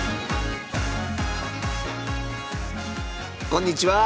こんにちは。